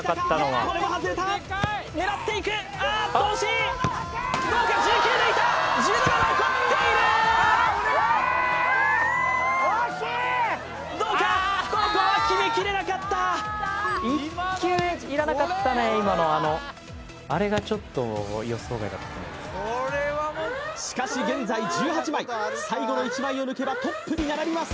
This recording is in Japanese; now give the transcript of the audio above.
ここはきめきれなかった今のあのしかし現在１８枚最後の１枚を抜けばトップに並びます